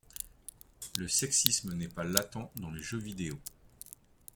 Le sexisme n’est pas latent dans les jeux vidéo.